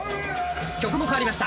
曲も変わりました。